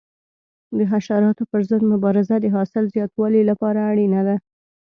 د حشراتو پر ضد مبارزه د حاصل زیاتوالي لپاره اړینه ده.